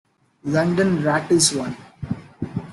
London rattles one.